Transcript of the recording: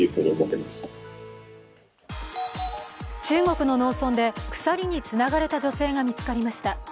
中国の農村で鎖につながれた女性が見つかりました。